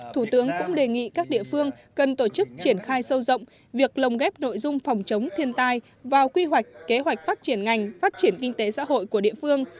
thủ tướng cũng đề nghị các địa phương cần tổ chức triển khai sâu rộng việc lồng ghép nội dung phòng chống thiên tai vào quy hoạch kế hoạch phát triển ngành phát triển kinh tế xã hội của địa phương